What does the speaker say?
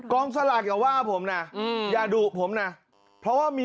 รางวัลที่หนึ่งงวดวันที่๑๖ตุลาคม๒๕๖๕โอ้โหคุณผู้ชมก่อนจะคุยเรื่องนี้